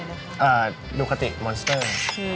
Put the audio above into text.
อ่าลูคาติมอนสเตอร์